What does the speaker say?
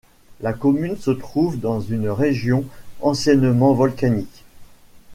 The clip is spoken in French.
La commune se trouve dans une régions anciennement volcanique.